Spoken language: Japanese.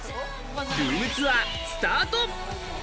ルームツアースタート。